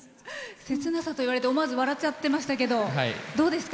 切なさと言われて思わず笑っちゃってましたけどどうですか？